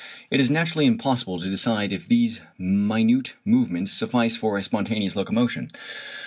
It is naturally impossible to decide if these minute movements suffice for a spontaneous locomotion.